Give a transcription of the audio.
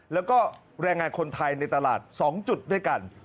แล้วก็แรงงานคนไทยในตลาด๒จุดด้วยกัน